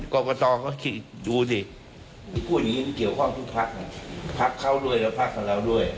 ก็คือพรรครรัฐบาล